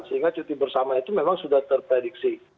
sehingga cuti bersama itu memang sudah terprediksi